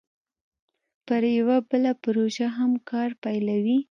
پر یوه بله پروژه هم کار پیلوي